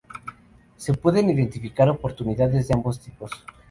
Se pueden identificar oportunidades de ambos tipos.